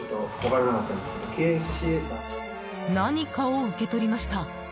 何かを受け取りました。